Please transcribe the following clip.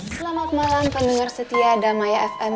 selamat malam pendengar setia damai fm